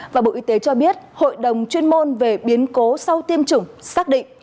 và bộ y tế cho biết hội đồng chuyên môn về biến cố sau tiêm chủng xác định